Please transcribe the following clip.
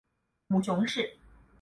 母熊氏。